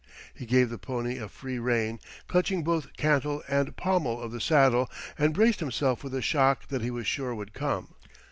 He gave the pony a free rein, clutched both cantle and pommel of the saddle and braced himself for the shock that he was sure would come.